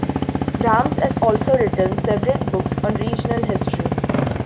Brahms has also written several books on regional history.